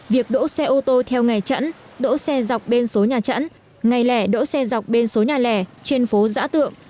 việc đỗ xe ô tô theo ngày chẵn đỗ xe dọc bên số nhà chẵn ngày lẻ đỗ xe dọc bên số nhà lẻ trên phố giã tượng